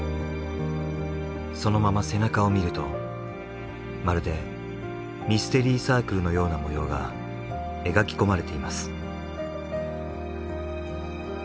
そのまま背中を見るとまるでミステリーサークルのような模様が描き込まれています。